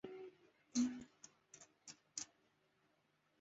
圣奥诺雷莱班人口变化图示